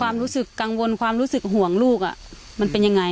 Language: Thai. ความรู้สึกกังวลความรู้สึกห่วงลูกมันเป็นยังไง